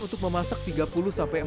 menjadikan masakan pun dilakukannya sendiri